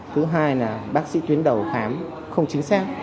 thứ hai là bác sĩ tuyến đầu khám không chính xác